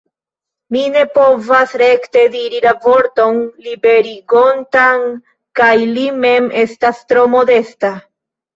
Mi ne povas rekte diri la vorton liberigontan, kaj li mem estas tro modesta!